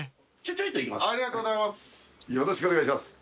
ありがとうございます。